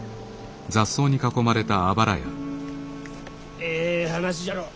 ええ話じゃろう。